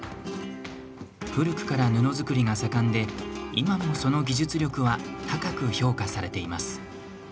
古くから布作りが盛んで今もその技術力は高く評価されています。